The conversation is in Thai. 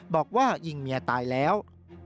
บอกว่ายิงเมียตายแล้ว